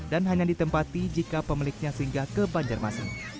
dan hanya ditempati jika pemiliknya singgah ke banjarmasin